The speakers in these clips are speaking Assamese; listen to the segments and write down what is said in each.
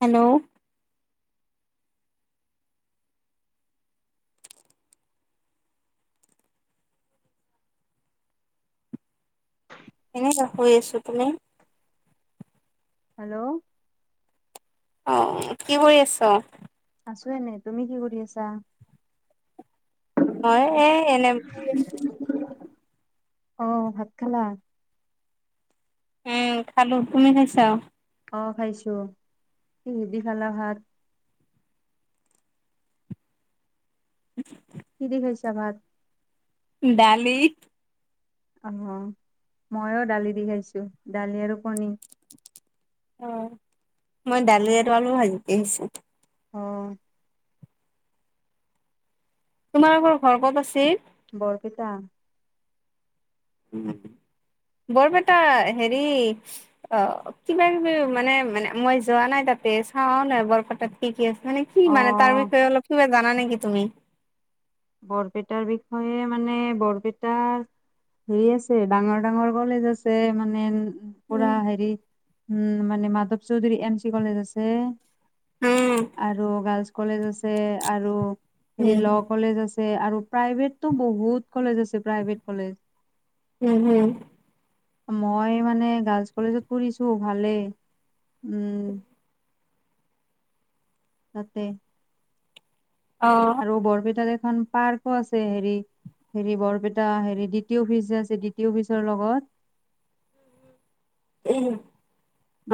হেল্ল'। এনে হৈ আছো। তুমি? [inaudible] হেল্ল' অ কি কৰি আছ? আছো এনেই, তুমি কি কৰি আছা? মই এ এনে আহ ভাত খালা। উম খালো তুমি খাইছা। অ খাইছো কিহেদি খালা ভাত। [unintelligible] কি দি খাইছা ভাত? দালি অ ময়ো দালি দি খাইছো, দালি আৰু কণী। অহ মই দালি আৰু আলু ভাজি অ তোমালোকৰ ঘৰ ক'ত আছিল? বৰপেটা। উম। বৰপেটা হেৰি অ কিবা কিবি মানে মানে মই যোৱা নাই তাত চাৱাও নাই বৰপেটাত কি কি আছে মানে কি অ মানে তাৰ বিষয়ে অলপ কিবা জানা নেকি তুমি? বৰপেটাৰ বিষয়ে মানে বৰপেটাৰ হেৰি আছে ডাঙৰ ডাঙৰ কলেজ আছে মানে পুৰা উম হেৰি উম মানে Madhab Choudhury M C college আছে উম আৰু গাৰ্লচ কলেজ আছে আৰু হেৰি উম ল কলেজ আছে আৰু প্ৰাইভেটতো বহুত কলেজ আছে প্ৰাইভেট কলেজ উম উম মই মানে গাৰ্লছ কলেজত পঢ়িছো ভালে উম তাতে অ আৰু বৰপেটাত এখন পাৰ্কো আছে হেৰি হেৰি বৰপেটা হেৰি ডি টি অফিচ যে আছে ডি টি অফিচৰ লগত এই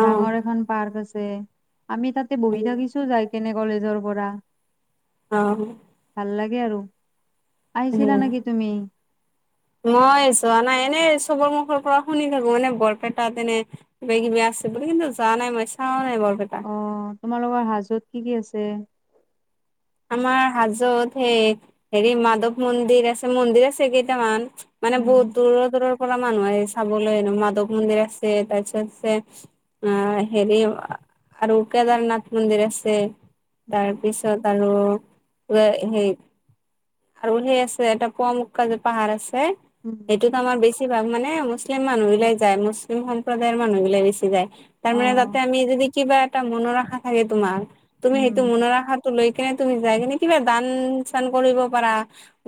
ডাঙৰ এখন পাৰ্ক আছে আমি তাতে উম বহি থাকিছো যাই কেনে কলেজৰ পৰা অহ ভাল লাগে আৰু উ আহিছিলা নেকি তুমি মই চোৱা নাই এনে চবৰ মুখৰ পৰা শুনি থাকো মানে বৰপেটাত এনে কিবা কিবি আছে বুলি কিন্তু যোৱা নাই মই চোৱাও নাই বৰ পেটা অ তোমালোকৰ হাজোত কি কি আছে? আমাৰ হাজোত হেই হেৰি মাধৱ মন্দিৰ আছে মন্দিৰ আছে কেইটামান মানে বহুত উম দূৰৰ দূৰৰ পৰা মানুহ আহে চাবলৈ মাধৱ মন্দিৰ আছে তাৰপিছত আছে আহ হেৰি আৰু কেদাৰনাথ মন্দিৰ আছে তাৰপিছত আৰু সেই আৰু সেই আছে এটা পুৱা মক্কা যে পাহাৰ আছে উম সেইটোতো আমাৰ বেছি ভাগ মানে মুছলিম মানুহ বিলাক যায় মুছলিম সম্প্ৰদায়ৰ মানুহ বিলাক বেছি যায়। অ তাৰমানে যাতে আমি যদি কিবা এটা মনৰ আশা থাকে তোমাৰ তুমি উম সেইটো মনৰ আশা লৈ কেনে তুমি যাই কিনে কিবা দান চান কৰিব পাৰা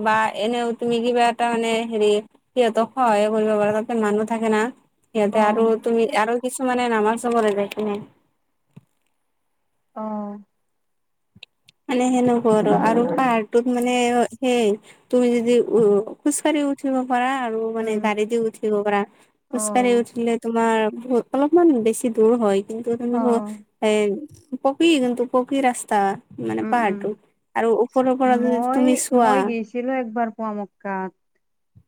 বা এনেও তুমি কিবা এটা মানে হেৰি সিহঁতক সহায়ো কৰিব পাৰে তাতে মানুহ থাকে না অ সিহঁতে আৰু তুমি আৰু কিছুমানে নামাজ চাবৰে যায় কিনে অ মানে সেনেকোৱা আৰু আৰু পাহাৰটোত মানে মানে সেই তুমি যদি উ খোজকাঢ়ি উঠিব। পৰা আৰু মানে উম গাড়ী দি উঠিব পাৰা অ খোজকাঢ়ি উঠিলে তোমাৰ অলপমান বেছি দূৰ হয় কিন্তু অ তুমি এ পকী কিন্তু পকী ৰাস্তা মানে উম উম পাহাৰটো আৰু ওপৰৰও পৰাৰত যদি তুমি চোৱা। পোৱা মক্কা ত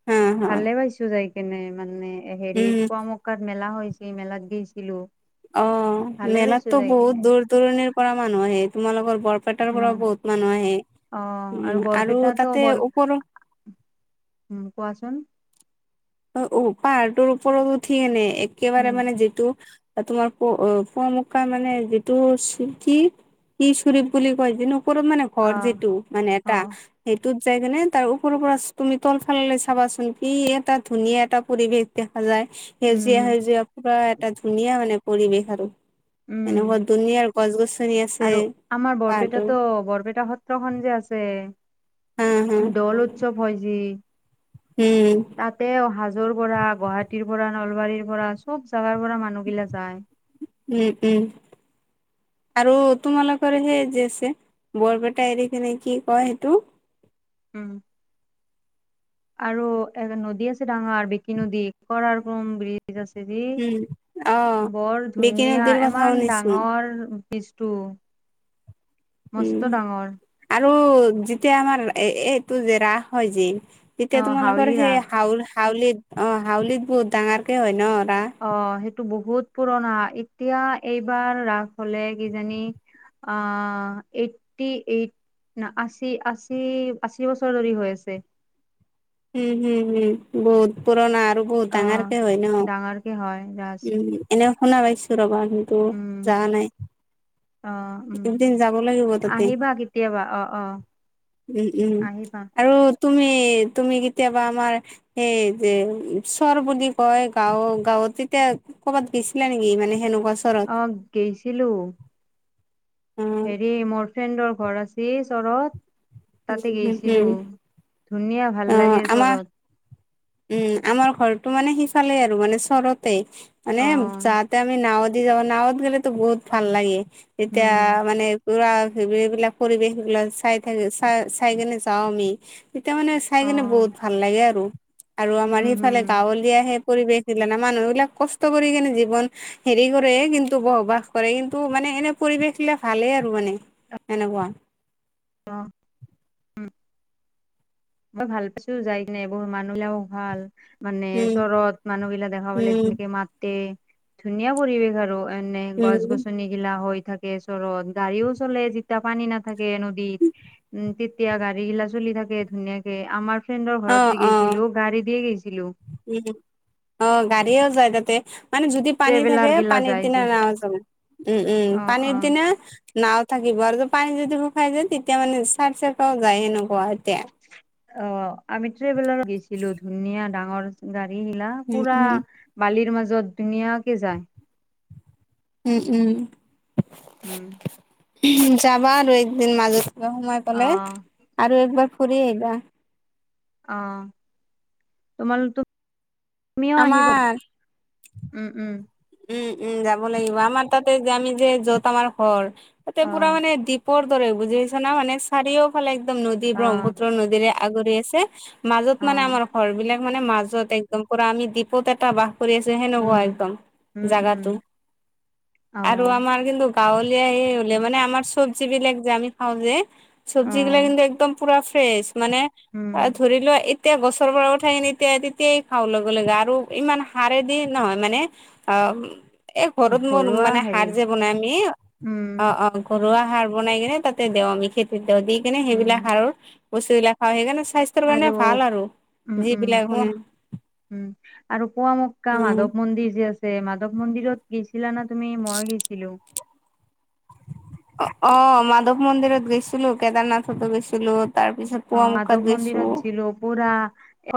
হা হা ভালে পাইছো যাই কেনে মানে [unintelligible] হেৰি উম পোৱামক্কা মেলা হৈছিল মেলাত গৈছিলো। অ ভালে মেলাত পাইছো তো যাই বহুত কেনে দূৰ দূৰণিৰ পৰা মানুহ আহে তোমালোকৰ। বৰপেটাৰ পৰা উম বহুত মানুহ আহে। অ উম আৰু বৰপেটাটো তাতে বৰ। ওপৰৰ কোৱাচোন। অ অ, পাহাৰটোৰ ওপৰত উঠি এনে একেবাৰে উম মানে যিটো। তোমাৰ প পুৱা মক্কা মানে যিটো কি কি শৰীপ বুলি কয় যো। ৰত মানে অ ঘৰ যিটো মানে অ এটা সেই [unintelligible] দুত যায়কেনে তাৰ ওৰৰ পৰা তুমি তল ফালৈ চাবাচোন কি এটাাত। ধুনীয়া এটা পৰিৱেশ দেখা যায়, উম সেউজীয়া উম সেউজীয়া পুৰা। এটা ধুনীয়া মানে পৰিৱেশ আৰু। উম এনেক বৰ দুুনীয়াৰ গছ গছনি আছে আৰু আমাৰ পাৰটো। বৰপেটাতো আছে। দৌলত উৎসৱ হয় যে উম তা'তে অহা- দূৰৰ পৰা গুৱাহাটীৰ পৰা নলবাৰীৰ পৰা চব জাগাৰ পৰাই মানুহবিলাক যায়। উম' উম' আৰু তোমালোকৰ সেই যে আছে বৰপেটা এৰি কিনে কি কয় সেইটো- উম' আৰু এখন নদী আছে ডাঙৰ বিকি নদী কৰা কমৰ বিৰি। আছে উম অ বৰ বিকি ধুনীয়া নদীৰ কথা ইমান শুনিছো ডাঙৰ। উম মস্ত ডাঙৰ। আৰু যেতিয়া আমাৰ এইটো যে ৰাস হয় যে- তেতিয়া অ তোমালোকৰ হাউলি সেই ৰাস হাউল হাউলিত অ হাউলিত বহুত ডাঙৰকে হয় ন'। ৰাস অঁ সেইটো বহুত পুৰণা। এতিয়া এইবাৰ ৰাস হ'লে কিজানি- অঁ এইটি এইট- ন' আশী আশী আশী বছৰ ধৰি হৈ আছে। উম' হম হম বহুত পুৰণা। আৰু বহুত আহ ডাঙৰকে হয় ন' ডাঙৰকে হয় ৰাজ উম এনেকৈ শুনা পাইছো ৰবা। কিন্তু যোৱা উম নাই। অ উম' এদিন যাব লাগিব তাতে আহিবা কেতিয়াবা অ' অ' উম' উম' আহিবা আৰু তুমি- তুমি কেতিয়াবা আমাৰ সেই যে ওচৰৰ বুলি কয় গাঁও গাঁৱত তেতিয়া- ক'বাত গৈছিলা নেকি? মানে সেনেকুৱা- চৰত? অঁহ গৈছিলো। অ', উম, হেৰি মোৰ ফ্ৰেণ্ডৰ ঘৰ আছিল ওচৰত। তা'তে গৈছিলো ধুনীয়াা। অঁ আমাৰ উম' আমাৰ- ঘৰটো মানে সিফালে আৰু ওচৰতে। মানে অ যাতে আমি নাওঁত- যাব নাওঁত গ'লেতো বহুত ভাল লাগে। তেতিয়া উম মানে- এইবিলাক পৰিৱেশ এইবিলাক চাই থাক চাই চাই কেনে যাওঁ আমি তেতিয়া মানে- চাই অ কিনে বহুত ভাল লাগে আৰু। আৰু আমাৰ উম হম সেইফালে গাঁৱলীয়া হে- পৰিৱেশ দিলে। মানুহবিলাক কষ্ট কৰি কিনে জীৱন হেৰি কৰে কিন্তু বসবাস কৰে। কিন্তু মানে- এনেই পৰিৱেশ বিলাক ভালেই আৰু মানে এনেকুৱা। অঁহ উম' মই ভালে পাইছো যাই কিনে এইবোৰ মানুহবিলাক ভাল। মানে উম, ওচৰত মানুহ বিলাক দেখা পালে উম, ধূনীয়া কৈ মাতে ধুনীয়া পৰিৱেশ আৰু। মানে উম, গছ-গছনি বিলাক হৈ থাকে ওচৰত গাড়ীও চলে। তেয়া পানী নাথাকে নদীত উম' তেতিয়া গাড়ী বিলাক চলি থাকে ধুনীয়াকে। আমাৰ- ফ্ৰেণ্ডৰ ঘৰত অ', যে অ', গৈছিলো গাড়ী দিয়ে গৈছিলো। উম। অ', গাড়ীও যায় তাতে মানে যদি পানী থাকে ট্ৰেভেলাৰ গিলা পানীৰ যাই পিনে যি নাওঁ যাব। উম' উম' অ পানীৰ অ পিনে- নাওঁ থাকিব আৰু পানী যদি শুকাই যায়। তেতিয়া মানে চালে চাওঁতে যায় সেনেকুৱা এতিয়া। অ আমি ট্ৰেভেলাৰ গৈছিলো ধুনীয়া ডাঙৰ গাড়ী। সেইবিলাক উম, পুৰা উম, বালিৰ মাজত ধুনীয়াকে যায়। উম' উম' উম' যাবা আৰু একদিন মাজতে সোমাই অ পেলাই আৰু এবাৰ- ফুৰি আহিবা। অঁ তোমালোক তো তুমিও আহিবা। আমাৰ উম' উম' উম' উম' যাব লাগিব। আমাৰ তা'তে যে আমি যে য'ত আমাৰ ঘৰ তা'তে অ পুৰা মানে দ্বীপৰ দৰে বুজি পাইছা না মানে চাৰিওফালে একদম নদী অ ব্ৰহ্মপুত্ৰ নদীৰে- আগৰি আছে। মাজত অ মানে আমাৰ ঘৰ বিলাক মানে মাজত একদম পুৰা আমি দীপত এটা বাস কৰি আছো। কৰি আছে হেনুকা উম একদম উম উম জাগাটো অ আৰু আমাৰ কিন্তু। গাঁৱলীয়া সে হলে মানে আমাৰ চব্জি বিলাক যে আমি খাওঁ যে অ চব্জি গিলা কিন্তু একদম পুৰা ফ্ৰেছ মানে উম এ ধৰি লোৱা এ তেতিয়া গছৰ পৰা উঠাই কিনে তেতিয়া তেতিয়াই খাওঁ লগে লগে আৰু ইমান সাৰে়দি নহয় মানে অ এ ঘৰত মই ঘৰুৱা মানে সাৰ হেৰি যে বনামি অ উম অ ঘৰুৱা সাৰ বনাই কেনে তাতে দেও আমি খেতিত দেও দি কিনে উম সেইবিলাক সাৰৰ বস্তু বিলাক খাওঁ সেইকাৰণে চা স্বাস্থ্যৰ কাৰণে আৰু ভাল আৰু উম উম যিবিলাক পোৱা হোন উম আৰু পোৱামক্কা মাধৱ মন্দিৰ যে আছ যে মাধৱ মন্দিৰত গেছিলা না তুমি মই গেছিলো। অ' মাধৱ মন্দিৰত গৈছিলো কেদাৰনাথতো গৈছিলো তাৰ পিছত অ পুৱামুকাত 'মাধৱ গৈছো মন্দিৰত গেছিলো পুৰা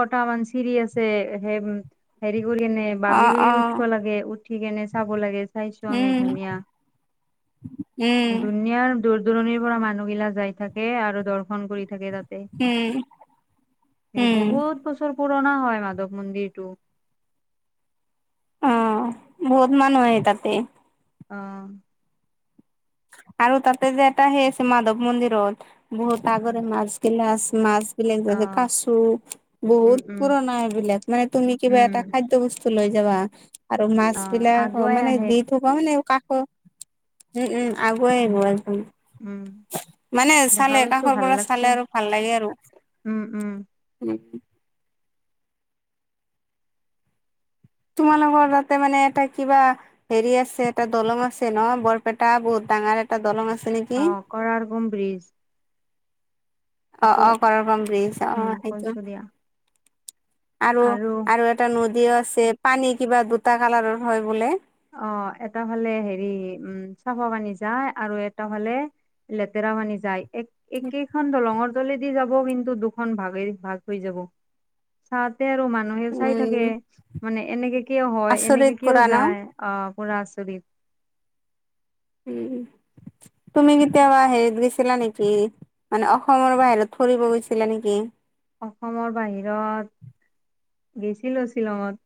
এটা মান চিৰি আছে হে হেৰি। উলিমে অ বাগৰি অ বাগৰি উঠব লাগে উঠি কেনে চাব লাগে চাইছো আমি উম ধুনীয়া। [inaudible] উম দুনিয়াৰ দূৰ দূৰণিৰ পৰা মানুহগিলাক যাই থাকে আৰু দৰ্শন কৰি থাকে তাত। এ উম সেই উম বহুত বছৰ। পুৰণা হয় মাধৱ মন্দিৰটো অ বহুত মানুহ আহে তাতে অ' আৰু তাতে যে এটা সেই আছে মাধৱ মন্দিৰত বহুত আগৰে মাছ গিলাছ মাছ। এইবিলাক অ বহু কাচু উম বহুত উম পুৰণা সেইবিলাক মানে তুমি কিবা উম এটা খাদ্য বস্তু লৈ যাবা। আৰু মাছ অ বিলাক আগুৱাই মানে আহে দি থকা হয় নাই কাকো আগুৱাই উম গুৱা উম মানে দেখা চালে পাইছো কাষৰ ভাল পৰা লাগছে চালে আৰু ভাল লাগে আৰু। উম। তোমালোকৰ তাতে মানে এটা কিবা হেৰি আছে এটা দলং আছে ন বৰপেটা বহুত। ডাঙাৰ এটা দলং আছে। নেকি? অ 'কৰাৰ গ্ৰুম ব্ৰিজ অ' সেইটো অ' কৰগ্ৰম ব্ৰিজ অ উম সেইটো কৈছো দিয়া আৰু আৰু এটা নদীও আছে পানী কিবা দুটা কালাৰৰ হয় বোলে। অ' এটা ফালে হেৰি উম, চাফা পানী যায় আৰু এটা ফালে লেতেৰা মানি যায় এক একেইখন দলঙৰ তলেদি যাব কিন্তু দুখন ভাগে ভাগ হৈ যাব, চাত তাতে আৰু মানুহে চাই থাকে উম মানে এনেকে কিয় হয় এনেকে আচৰিত কিয় কৰা ন যায় অ 'পুৰা আচৰিত। উম তুমি কেতিয়াবা হেৰিত গেছিলা নিকি? মানে অসমৰ বাহিৰত ফুৰিব গৈছিলা নিকি? অসমৰ বাহিৰত গেছিলো শ্বিলঙত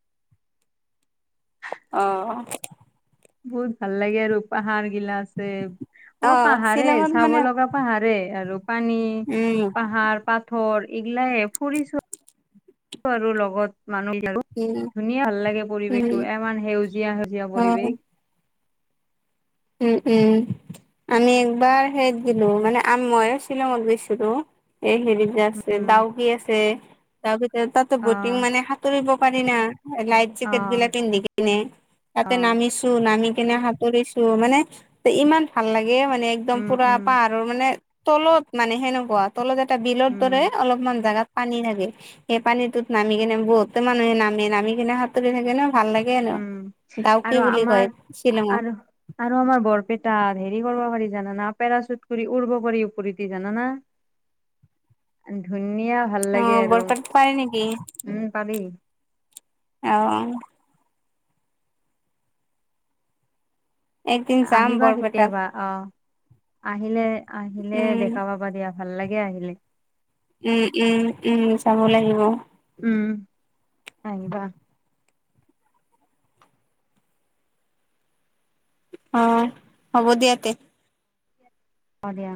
[inaudible] অ ' বহুত ভাল লাগে আৰু পাহাৰ গিলা আছে অ' পাহাৰে শ্বিলঙত চাব মানে লগা পাহাৰে আৰু পানী উম পাহাৰ পাথৰ এইগিলাই ফুৰিছোঁ আৰু লগত। মানুহ উম ধুনীয়া ভাল লাগে উম পৰিৱেশটো ইমান সেউজীয়া সেউজীয়া অ পৰিৱেশ। উম -উম আমি একবাৰ সেইত গেলো মানে ময়ো শ্বিলঙত গৈছিলো এই হেৰি যে আছে উম ডাউক আছে তাৰ ভিতৰত তাতো অ বটিং মানে সাঁতুৰিব পাৰি হৈনা লাই অ জেট বিলাক পিন্ধি কিনে অ তাতে নামিছো নামি কিনে সাঁতুৰি ত মানে ইমান ভাল লাগে মানে একদম উম পুৰা উম পাহাৰৰ মানে। তলত মানে সেনেকুৱা তলত এটা বিলৰ উম দৰে অলপমান জোগাত পানী থাকে সেই পানীতটোত নামি কিনে বহুতো মানুহে নামে নামি কিনে হাততে থাকে ন [unintelligible] ভাল লাগে ন উম ডাউকি আৰু বুলি আমাৰ কয় শ্বিলঙত আৰু [unintelligible] আৰু আমাৰ বৰপেটাত হেৰি কৰিব পাৰি জানানা পেৰাশুট কৰি উৰ্বকাৰী ওপৰিদি জানাানা [unintelligible] [inaudible] ধুনীয়া ভাল অ লাগে আৰু বৰপেটাত পাৰে উম পাৰি আহ একদিন যাম আহিবা বৰপেটাত কেতিয়াবা অ আহিলে আহিলে উম দেখা পাবা দিয়া ভাল লাগে আহিলে উম উম উম চাব লাগিব উম সিবা [unintelligible] অ হ'ব দিয়া তে হ'ব দিয়া